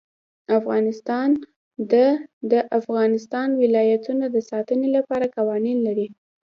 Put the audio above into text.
افغانستان د د افغانستان ولايتونه د ساتنې لپاره قوانین لري.